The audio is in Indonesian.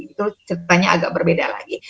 itu ceritanya agak berbeda lagi